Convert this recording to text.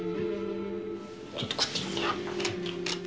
ちょっと食ってみるか。